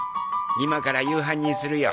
今から夕飯にするよ。